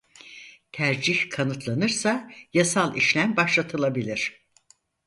Tercih kanıtlanırsa yasal işlem başlatılabilir.